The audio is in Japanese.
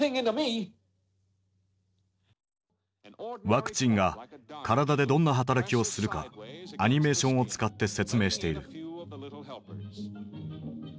ワクチンが体でどんな働きをするかアニメーションを使って説明している。